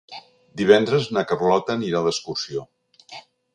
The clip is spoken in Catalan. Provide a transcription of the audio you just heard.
Divendres na Carlota anirà d'excursió.